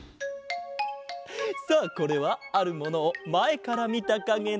さあこれはあるものをまえからみたかげだ。